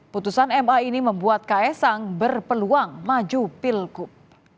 putusan ma ini membuat ks sang berpeluang maju pilgub